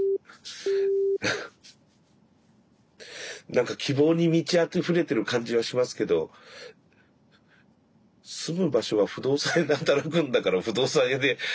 何か希望に満ちあふれてる感じはしますけど住む場所は不動産屋で働くんだから不動産屋で聞いた方がいいよね。